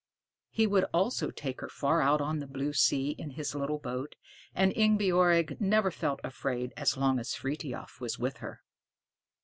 He would also take her far out on the blue sea in his little boat, and Ingebjorg never felt afraid as long as Frithiof was with her.